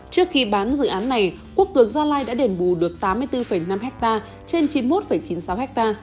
trước khi bán dự án này quốc cường gia lai đã đền bù được tám mươi bốn năm hectare trên chín mươi một chín mươi sáu ha